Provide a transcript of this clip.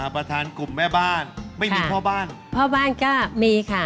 ประธานกลุ่มแม่บ้านไม่มีพ่อบ้านพ่อบ้านก็มีค่ะ